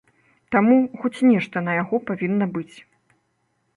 Таму, хоць нешта на яго павінна быць.